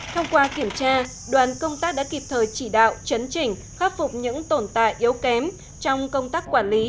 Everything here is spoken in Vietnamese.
thông qua kiểm tra đoàn công tác đã kịp thời chỉ đạo chấn chỉnh khắc phục những tồn tại yếu kém trong công tác quản lý